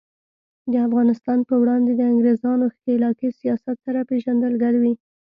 د افغانستان په وړاندې د انګریزانو ښکیلاکي سیاست سره پیژندګلوي.